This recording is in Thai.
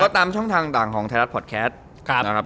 ก็ตามช่องทางต่างของไทยรัฐพอดแคสต์